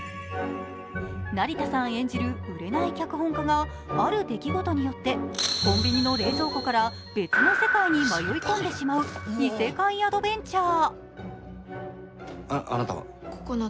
成田さん演じる売れない脚本家がある出来事によってコンビニの冷蔵庫から別の世界に迷い込んでしまう異世界アドベンチャー。